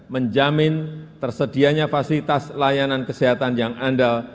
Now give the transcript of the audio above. menjamin tersedianya fasilitas layanan kesehatan yang andal